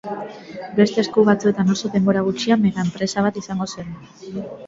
Beste esku batzuetan oso denbora gutxian megaenpresa bat izango zen.